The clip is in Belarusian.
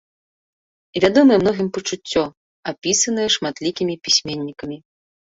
Вядомае многім пачуццё, апісанае шматлікімі пісьменнікамі.